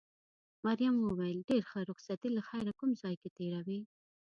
مريم وویل: ډېر ښه، رخصتي له خیره کوم ځای کې تېروې؟